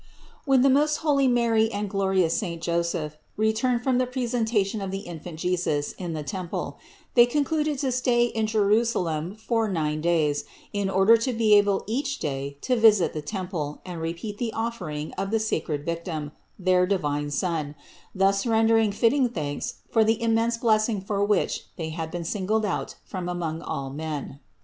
606. When the most holy Mary and glorious saint Joseph returned from the presentation of the Infant Jesus in the temple, they concluded to stay in Jerusalem for nine days in order to be able each day to visit the temple and repeat the offering of the sacred Victim, their divine Son, thus rendering fitting thanks for the im mense blessing for which they had been singled out from among all men.